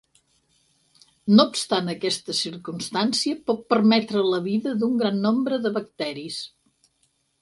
No obstant aquesta circumstància, pot permetre la vida d'un gran nombre de bacteris.